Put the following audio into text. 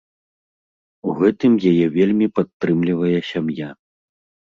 У гэтым яе вельмі падтрымлівае сям'я.